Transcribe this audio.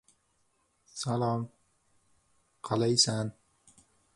Ashxaboddagi axlat qutisida go‘dak jasadi topildi